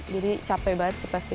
jadi capek banget sih pasti